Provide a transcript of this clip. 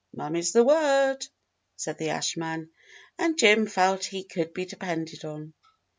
"Mum is the word," said the ash man, and Jim felt he could be depended on.